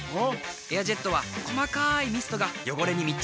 「エアジェット」は細かいミストが汚れに密着。